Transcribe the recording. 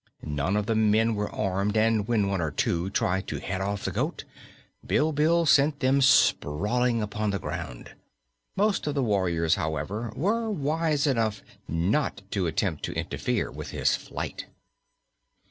None of the men were armed and when one or two tried to head off the goat, Bilbil sent them sprawling upon the ground. Most of the warriors, however, were wise enough not to attempt to interfere with his flight.